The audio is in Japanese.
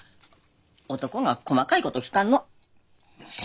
男が細かいこと聞かんの。